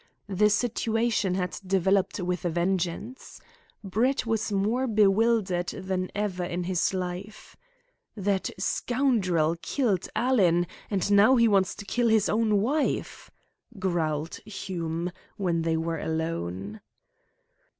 The situation had developed with a vengeance. Brett was more bewildered than ever before in his life. "That scoundrel killed Alan, and now he wants to kill his own wife!" growled Hume, when they were alone.